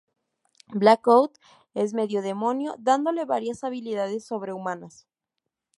Blackout es medio demonio, dándole varias habilidades sobrehumanas.